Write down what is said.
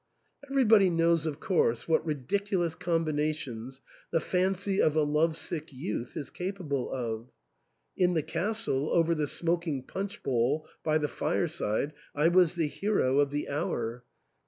Everybody knows of course what ridiculous combinations the fancy of a love sick youth is capable of. In the castle, over the smoking punch bowl, by the fireside, I was the hero of the hour. Be THE ENTAIL.